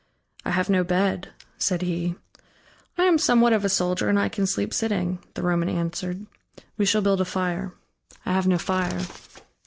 "I have no bed," said he. "I am somewhat of a soldier and I can sleep sitting," the Roman answered. "We shall build a fire." "I have no fire."